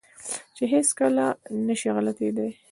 چې هېڅ کله نه شي غلطېداى.